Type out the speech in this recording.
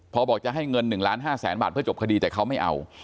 พอบอกจะให้เงิน๑ล้าน๕แสนบาทเพื่อจบคดีแต่เขาไม่เอา